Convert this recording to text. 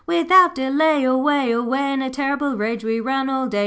Without delay Away, away, In a terrible rage we run all day.